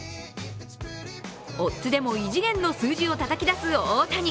オッズでも異次元の数字をたたき出す大谷。